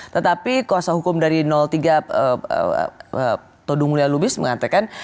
tetapi kuasa hukum dari tiga todung mulya lubis mengatakan